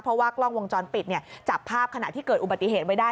เพราะว่ากล้องวงจรปิดจับภาพขณะที่เกิดอุบัติเหตุไว้ได้